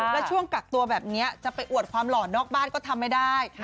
แล้วช่วงกักตัวแบบนี้จะไปอวดความหล่อนอกบ้านก็ทำไม่ได้